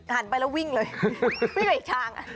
หันไปแล้ววิ่งเลยวิ่งไปอีกทาง